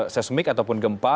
seismik ataupun gempa